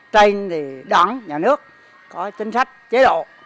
trên thì đảng nhà nước có chính sách chế độ